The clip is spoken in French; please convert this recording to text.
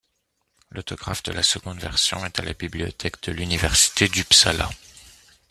L'autographe de la seconde version est à la Bibliothèque de l'Université d'Uppsala.